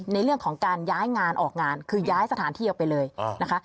ในเรื่องของการย้ายงานออกงานคือย้ายสถานที่ออกไปเลยนะคะ